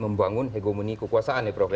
membangun hegemoni kekuasaan ya prof ya